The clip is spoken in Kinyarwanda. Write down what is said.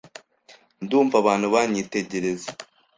Ndumva abantu banyitegereza.